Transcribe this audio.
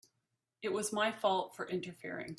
It was my fault for interfering.